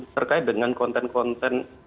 terkait dengan konten konten